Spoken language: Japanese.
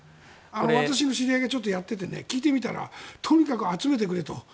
私の知り合いがやっていて聞いてみたらとにかく集めてくれと。